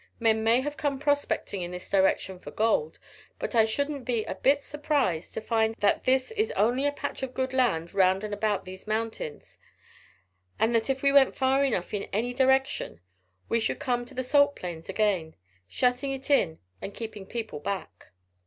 "Men may have come prospecting in this direction for gold, but I shouldn't be a bit surprised to find that this is only a patch of good land round and about these mountains, and that if we went far enough in any direction we should come to the salt plains again, shutting it in and keeping people back."